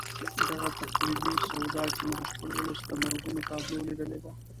دغه تقلیدي سودا کې مې د خپل ولس د مرګونو تابلو لیدلې ده.